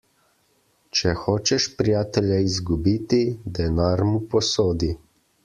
Če hočeš prijatelja izgubiti, denar mu posodi.